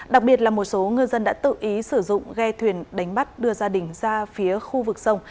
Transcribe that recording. đặc biệt là một số ngư dân đã tự ý sử dụng ghe thuyền đánh bắt đưa gia đình ra phía khu vực sông